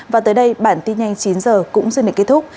và tới đây bản tin nhanh chín h cũng xin đến kết thúc